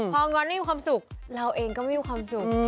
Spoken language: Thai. พองอนไม่มีความสุขเราเองก็ไม่มีความสุข